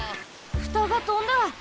ふたがとんだ！